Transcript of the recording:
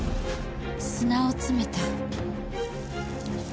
砂を詰めた。